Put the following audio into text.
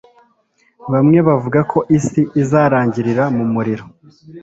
Bamwe bavuga ko isi izarangirira mu muriro